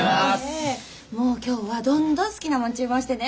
もう今日はどんどん好きなもの注文してね。